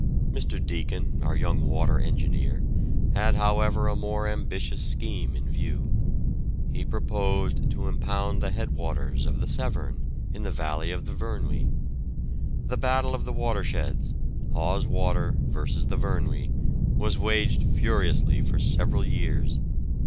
Mr. Deacon, our young water engineer, had however a more ambitious scheme in view; he proposed to impound the head waters of the Severn in the valley of the Vyrnwy. The battle of the watersheds, Hawes Water versus the Vyrnwy, was waged furiously for several years.